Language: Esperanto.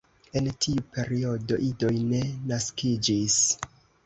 En tiu periodo idoj ne naskiĝis.